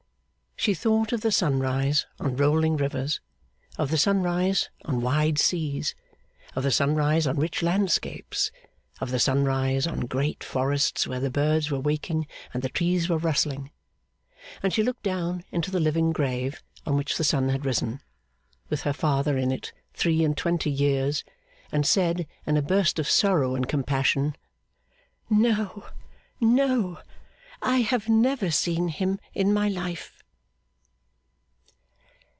She thought of the sunrise on rolling rivers, of the sunrise on wide seas, of the sunrise on rich landscapes, of the sunrise on great forests where the birds were waking and the trees were rustling; and she looked down into the living grave on which the sun had risen, with her father in it three and twenty years, and said, in a burst of sorrow and compassion, 'No, no, I have never seen him in my life!